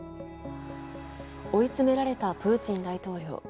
追い詰められたプーチン大統領。